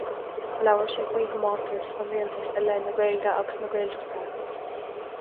Labhair sé faoi thiomantas an Rialtais i leith na Gaeilge agus na Gaeltachta.